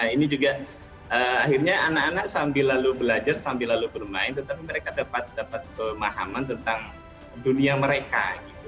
ini juga akhirnya anak anak sambil lalu belajar sambil lalu bermain tetapi mereka dapat pemahaman tentang dunia mereka